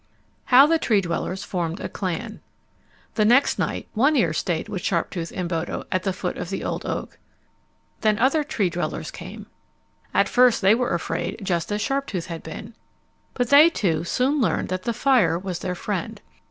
How the Tree dwellers Formed a Clan The next night One Ear stayed with Sharptooth and Bodo at the foot of the old oak. Then other Tree dwellers came. At first they were afraid just as Sharptooth had been. But they, too, soon learned that the fire was their friend.